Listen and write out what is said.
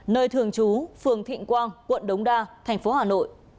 nơi thường trú phường thịnh quang quận đống đa thành phố hà nội